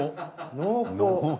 濃厚。